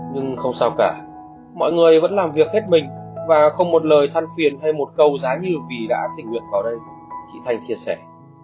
nhưng không sao cả mọi người vẫn làm việc hết mình và không một lời thăn phiền hay một câu giá như vì đã tình nguyện vào đây chị thanh chia sẻ